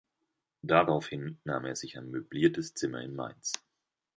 Daraufhin nahm er sich ein möbliertes Zimmer in Mainz.